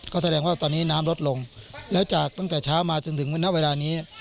ก็แสดงว่าตอนนี้น้ำลดลงแล้วจากตั้งแต่เช้ามาจนถึงวันนี้เวลานี้